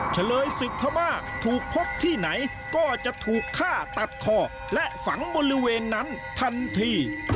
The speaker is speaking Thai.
เฉลยศึกพม่าถูกพบที่ไหนก็จะถูกฆ่าตัดคอและฝังบริเวณนั้นทันที